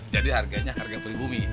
jadi harganya harga peribumi